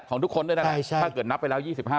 ของทุกคนด้วยนั่นแหละถ้าเกิดนับไปแล้ว๒๕